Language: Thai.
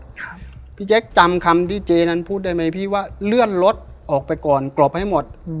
พี่แจ๊คจำคำที่เจนั้นพูดได้ไหมพี่ว่าเลื่อนรถออกไปก่อนกรบให้หมดอืม